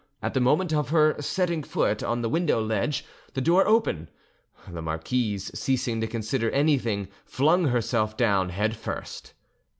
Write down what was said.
At the moment of her setting foot on the window ledge, the door opened: the marquise, ceasing to consider anything, flung herself down, head first.